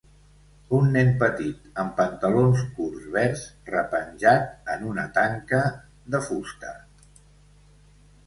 Un nen petit amb pantalons curts verds repenjat en una tanca de fusta.